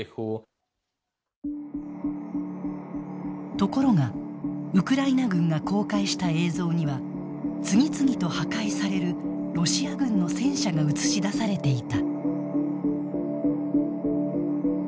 ところがウクライナ軍が公開した映像には次々と破壊されるロシア軍の戦車が映し出されていた。